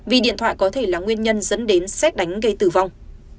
vì điện thoại có thể là nguyên nhân dẫn đến xét đánh gây tử vong